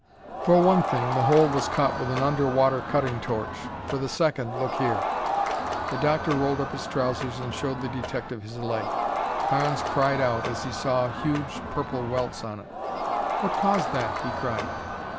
"For one thing, the hole was cut with an under water cutting torch. For the second, look here." The Doctor rolled up his trousers and showed the detective his leg. Carnes cried out as he saw huge purple welts on it. "What caused that?" he cried.